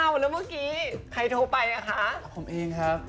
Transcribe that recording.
แล้วเมื่อกี้ใครโทรไปอ่ะคะผมเองครับ